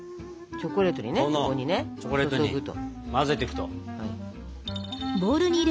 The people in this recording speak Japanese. チョコレートに混ぜてくと。